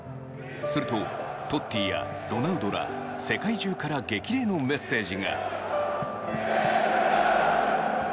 するとトッティやロナウドら世界中から激励のメッセージが。